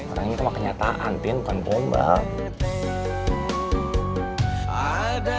orang ini cuma kenyataan tin bukan bombal